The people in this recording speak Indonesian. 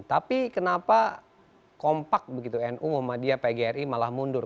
tapi kenapa kompak begitu nu muhammadiyah pgri malah mundur